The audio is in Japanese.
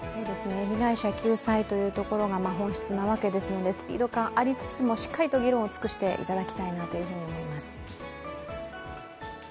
被害者救済というところが本質なわけですのでスピード感ありつつもしっかりと議論を尽くしていただきたいなというふうに思います。